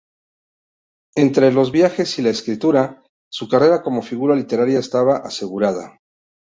Entre los viajes y la escritura, su carrera como figura literaria estaba asegurada.